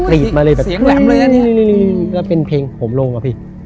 แล้วก็เป็นเพียงโหมลงอะพี่